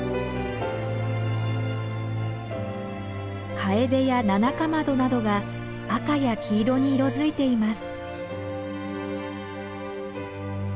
カエデやナナカマドなどが赤や黄色に色づいています。